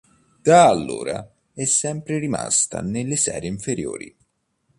Da allora è sempre rimasta nelle serie inferiori.